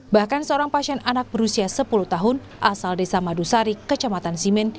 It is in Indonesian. bahkan seorang pasien anak berusia sepuluh tahun asal desa madusari kecamatan simen